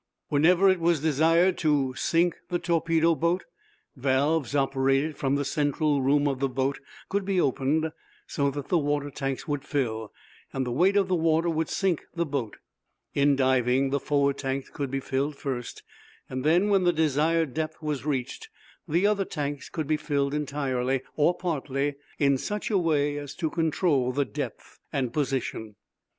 Whenever it was desired to sink the torpedo boat, valves operated from the central room of the boat could be opened so that the water tanks would fill, and the weight of the water would sink the boat. In diving, the forward tanks could be filled first, and then, when the desired depth was reached, the other tanks could be filled entirely, or partly, in such a way as to control depth and position.